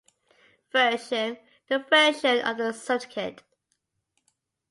Version: the version of the certificate.